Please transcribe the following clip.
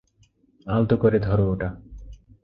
আলতো করে ধরো ওটা।